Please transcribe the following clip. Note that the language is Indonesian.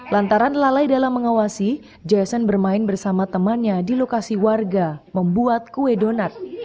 lantaran lalai dalam mengawasi jason bermain bersama temannya di lokasi warga membuat kue donat